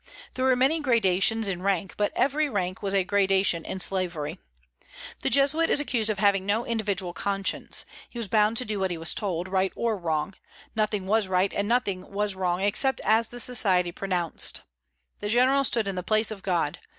"There were many gradations in rank, but every rank was a gradation in slavery." The Jesuit is accused of having no individual conscience. He was bound to do what he was told, right or wrong; nothing was right and nothing was wrong except as the Society pronounced. The General stood in the place of God.